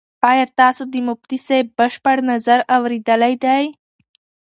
ایا تاسو د مفتي صاحب بشپړ نظر اورېدلی دی؟